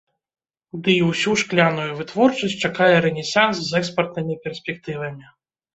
Дый усю шкляную вытворчасць чакае рэнесанс з экспартнымі перспектывамі.